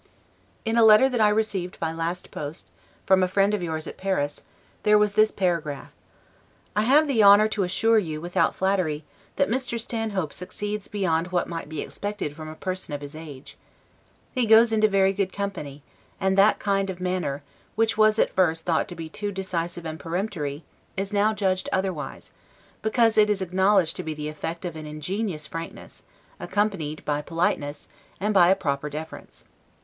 In a letter that I received by last post, from a friend of yours at Paris, there was this paragraph: "I have the honor to assure you, without flattery, that Mr. Stanhope succeeds beyond what might be expected from a person of his age. He goes into very good company; and that kind of manner, which was at first thought to be too decisive and peremptory, is now judged otherwise; because it is acknowledged to be the effect of an ingenuous frankness, accompanied by politeness, and by a proper deference.